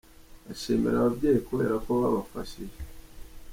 bashimira ababyeyi kubera ko babafashije.